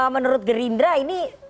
menurut gerindra ini